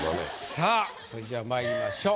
さあそれじゃあまいりましょう。